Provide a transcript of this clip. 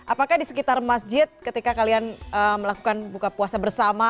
apakah di sekitar masjid ketika kalian melakukan buka puasa bersama